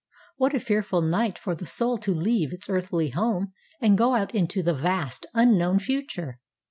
ŌĆ£What a fearful night for the soul to leave its earthly home and go out into the vast, unknown future!